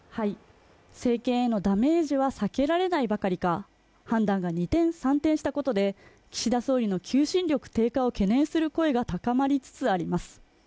政権へのダメージは避けられないばかりか判断が二転三転したことで岸田総理の求心力低下を懸念する声が高まりつつあります。